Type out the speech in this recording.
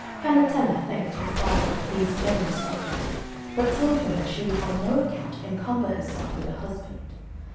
Cannetella thanked her father for these generous offers, but told him that she would on no account encumber herself with a husband.